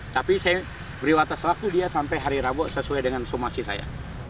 tapi saya beri waktu sewaktu dia sampai hari rabu sesuai dengan sumasi saya